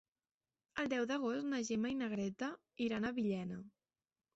El deu d'agost na Gemma i na Greta iran a Villena.